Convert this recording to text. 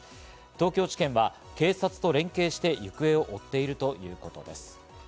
東京地検は警察と連携して行方を追っているということです。